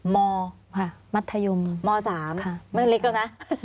มค่ะมัธยมม๓ไม่เล็กแล้วนะ